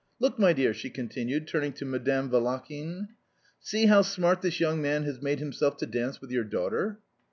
"Look, my dear!" she continued, turning to Madame Valakhin. "See how smart this young man has made himself to dance with your daughter!"